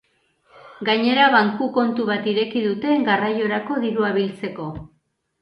Gainera, banku-kontu bat ireki dute garraiorako dirua biltzeko.